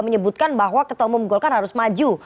menyebutkan bahwa ketua umum golkar harus maju